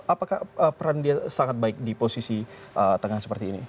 apakah peran dia sangat baik di posisi tengah seperti ini